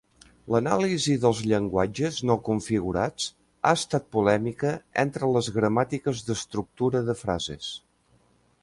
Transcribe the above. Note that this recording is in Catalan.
L'anàlisi dels llenguatges no configurats ha estat polèmica entre les gramàtiques d'estructura de frases.